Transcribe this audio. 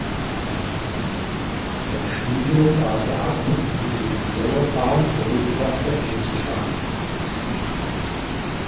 Sein Studium brach er ab, um die Militärlaufbahn in der Luftwaffe einzuschlagen.